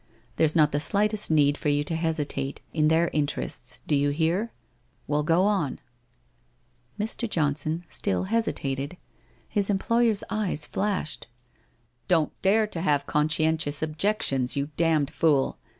There's not the slightest need for you to hesitate, in their interests, do you hear? Well, go on !' Mr. John. on still hesitated. His employer's eyes Hashed. ' Don't dare to have conscientious objections, you damned fool!